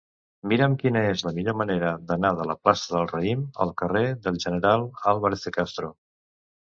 Mira'm quina és la millor manera d'anar de la plaça del Raïm al carrer del General Álvarez de Castro.